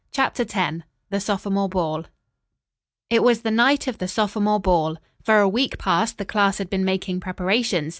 CHAPTER X THE SOPHOMORE BALL It was the night of the sophomore ball. For a week past the class had been making preparations.